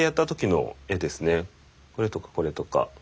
これとかこれとか。